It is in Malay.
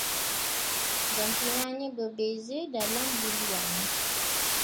Jantinanya berbeza dalam buluan